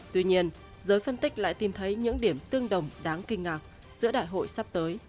tuy nhiên giới phân tích lại tìm thấy những điểm tương đồng đáng kinh ngạc giữa đại hội sắp tới